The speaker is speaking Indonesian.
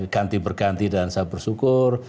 ganti berganti dan saya bersyukur